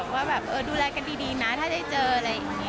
ว่าแบบดูแลกันดีนะถ้าได้เจออะไรอย่างนี้